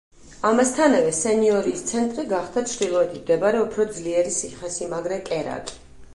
ამასთანავე სენიორიის ცენტრი გახდა, ჩრდილოეთით მდებარე, უფრო ძლიერი ციხესიმაგრე კერაკი.